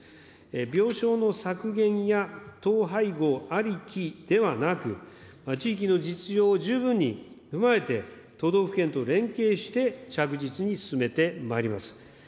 病床の削減や統廃合ありきではなく、地域の実情を十分に踏まえて、都道府県と連携して、着実に進めてまいります。